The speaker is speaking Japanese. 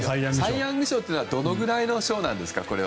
サイ・ヤング賞というのはどのくらいの賞なんですか？